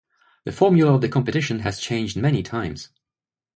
The formula of the competition has changed many times.